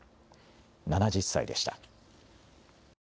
７０歳でした。